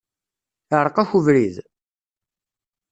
Iεreq-ak ubrid?